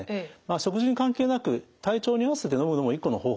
食事に関係なく体調に合わせてのむのも一個の方法だと思いますね。